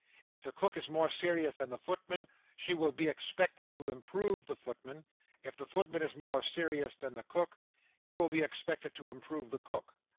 If the cook is more serious than the footman, she will be expected to improve the footman; if the footman is more serious than the cook, he will be expected to improve the cook."